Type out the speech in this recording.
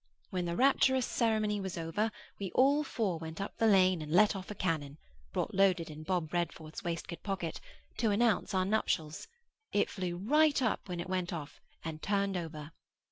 When the rapturous ceremony was over, we all four went up the lane and let off a cannon (brought loaded in Bob Redforth's waistcoat pocket) to announce our nuptials. It flew right up when it went off, and turned over.